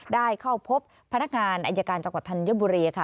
ได้เข้าพบพนักงานอายการจังหวัดธัญบุรีค่ะ